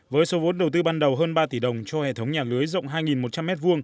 với số vốn đầu tư ban đầu hơn ba tỷ đồng cho hệ thống nhà lưới rộng hai một trăm linh m hai